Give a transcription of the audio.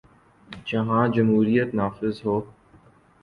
جہاں جمہوریت نافذ ہے۔